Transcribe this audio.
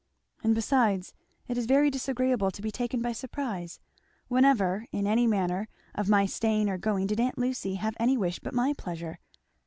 "And besides, it is very disagreeable to be taken by surprise. Whenever, in any matter of my staying or going, did aunt Lucy have any wish but my pleasure?"